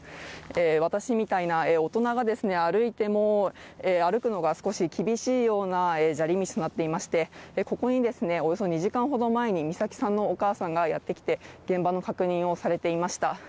私みたいな大人が歩いても、歩くのが少し厳しいような砂利道となっていましてここにおよそ２時間ほど前に美咲さんのお母さんがやってきて、現場の確認をされていました。